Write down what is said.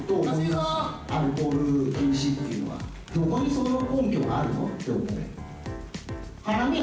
アルコール禁止というのは、どこにその根拠があるの？って思う。